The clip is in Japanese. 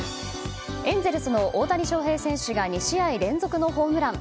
エンゼルスの大谷翔平選手が２試合連続のホームラン。